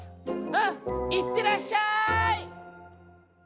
「うんいってらっしゃい！」。